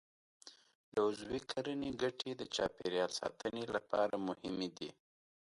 د عضوي کرنې ګټې د چاپېریال ساتنې لپاره مهمې دي.